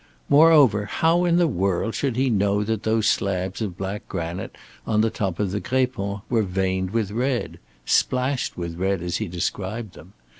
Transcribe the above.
Moreover, how in the world should he know that those slabs of black granite on the top of the Grépon were veined with red splashed with red as he described them?